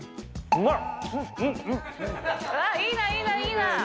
うまい！